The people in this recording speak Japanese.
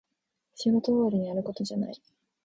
仕事終わりにやることじゃない